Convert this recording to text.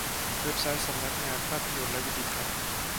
เว็บไซต์สำนักงานภาพยนตร์และวีดิทัศน์